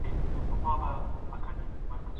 انار د وینې لپاره ګټور دی.